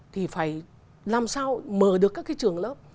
thì phải làm sao mở được các cái trường lớp